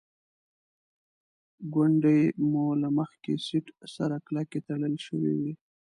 ګونډې مو له مخکې سیټ سره کلکې تړل شوې وې.